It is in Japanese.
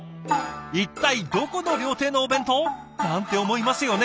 一体どこの料亭のお弁当？なんて思いますよね。